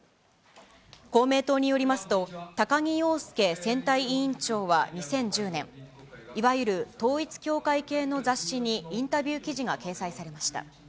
公明党によりますと、高木陽介選対委員長は２０１０年、いわゆる統一教会系の雑誌にインタビュー記事が掲載されました。